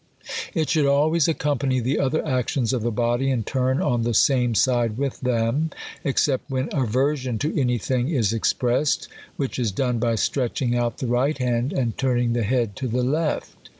It should always accompany the othe^' actions of the body, and turn on the same side with them ; except when aversion to any thing is expressed ; which is done by stretching out the right hand, and turning the head to the left.